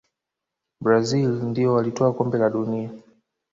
brazil ndio walitwaa kombe la dunia